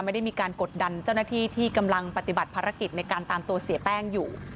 ไม่ได้มีการกดดันเจ้าหน้าที่ที่กำลังปฏิบัติภารกิจในการตามตัวเสียแป้งอยู่